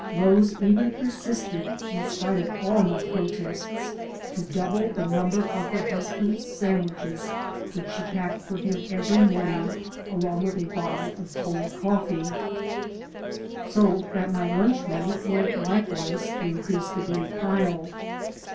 Rose even 189 AN AMERICAN IN THE MAKING persisted, in spite of all my protests, to double the number of her husband's sandwiches, which she packed for him every morning along with a bottle of cold coffee; so that my lunch money went likewise to increase the great pile.